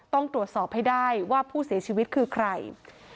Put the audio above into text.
ต้องตรวจสอบให้ได้ว่าผู้เสียชีวิตคือใคร